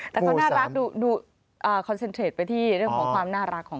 แต่เขาน่ารักดูคอนเซ็นเทรดไปที่เรื่องของความน่ารักของ